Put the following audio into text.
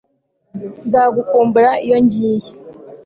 Nzagukumbura iyo ngiye